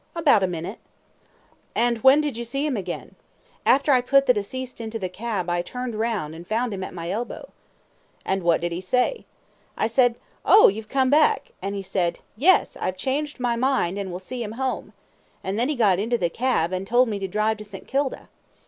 A. About a minute. Q. And when did you see him again? A. After I put deceased into the cab I turned round and found him at my elbow. Q. And what did he say? A. I said, "Oh! you've come back," and he said, "Yes, I've changed my mind, and will see him home," and then he got into the cab, and told me to drive to St. Kilda.